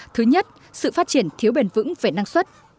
thứ nhất sự phát triển thiếu bền vững về năng suất